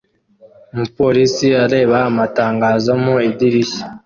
Umupolisi areba amatangazo mu idirishya